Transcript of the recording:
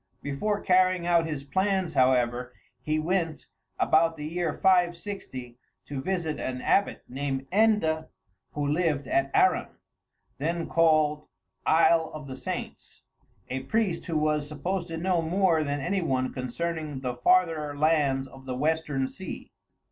Before carrying out his plans, however, he went, about the year 560, to visit an abbot named Enda, who lived at Arran, then called Isle of the Saints, a priest who was supposed to know more than any one concerning the farther lands of the western sea.